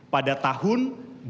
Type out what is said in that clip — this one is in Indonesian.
pada tahun dua ribu tiga puluh